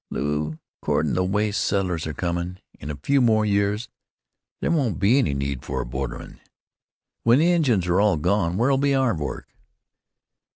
"Lew, 'cordin' to the way settlers are comin', in a few more years there won't be any need for a borderman. When the Injuns are all gone where'll be our work?"